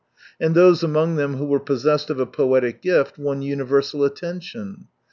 And those among them who were possessed of a poetic gift won universal attention.